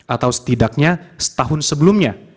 atau setidaknya setahun sebelumnya